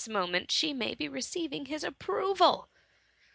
moment she may be receiving his approval.